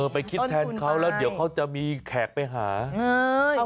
ไปคิดแทนเขาแล้วเดี๋ยวเขาจะมีแขกไปหา